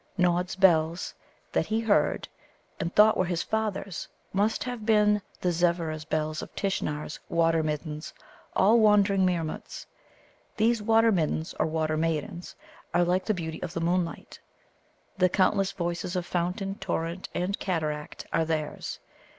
Nod's bells that he heard, and thought were his father's, must have been the Zevveras' bells of Tishnar's Water middens, all wandering Meermuts. These Water middens, or Water maidens, are like the beauty of the moonlight. The countless voices of fountain, torrent, and cataract are theirs.